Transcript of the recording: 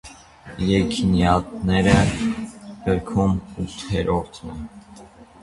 Եքիդնաեդրը գրքում ութերորդն է։